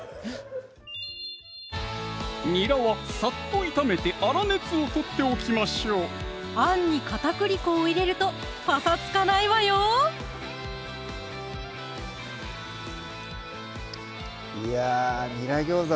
にらはさっと炒めて粗熱をとっておきましょうあんに片栗粉を入れるとパサつかないわよいや「にらギョーザ」